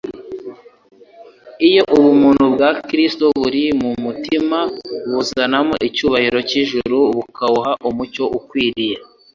Iyo ubuntu bwa Kristo buri mu mutima buzanamo icyubahiro cy'ijuru bukawuha umucyo ukwiriye.